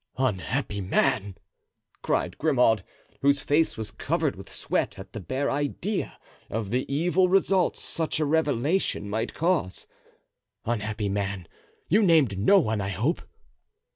"Unhappy man!" cried Grimaud, whose face was covered with sweat at the bare idea of the evil results such a revelation might cause; "unhappy man, you named no one, I hope?"